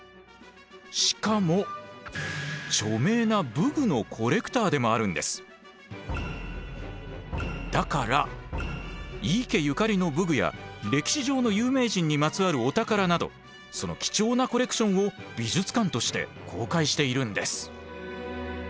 しかも著名なだから井伊家ゆかりの武具や歴史上の有名人にまつわるお宝などその貴重なコレクションを美術館として公開しているんです。